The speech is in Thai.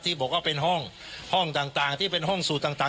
ที่บอกว่าเป็นห้องห้องต่างที่เป็นห้องสูตรต่าง